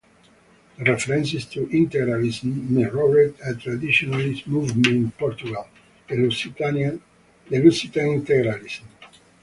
The reference to Integralism mirrored a traditionalist movement in Portugal, the Lusitan Integralism.